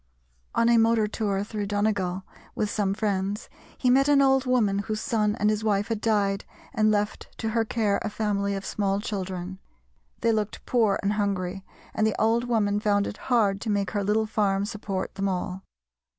On a motor tour through Donegal with some friends he met an old woman whose son and his wife had died and left to her care a family of small children. They looked poor and hungry, and the old woman found it hard to make her little farm support them all.